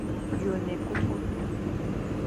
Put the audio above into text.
Yô e ne ékukur.